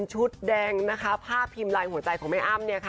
ชุดแดงภาพพิมพ์ลายหัวใจของแม่อ้าม